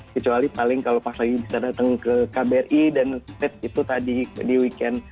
kecuali paling kalau pas lagi bisa datang ke kbri dan itu tadi di weekend